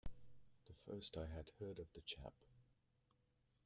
The first I had heard of the chap.